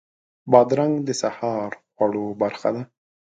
بادرنګ د سهار خوړو برخه ده.